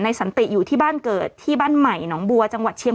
สันติอยู่ที่บ้านเกิดที่บ้านใหม่หนองบัวจังหวัดเชียง